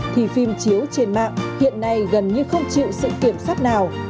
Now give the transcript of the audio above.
thì phim chiếu trên mạng hiện nay gần như không chịu sự kiểm soát nào